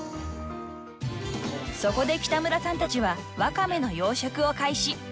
［そこで北村さんたちはワカメの養殖を開始］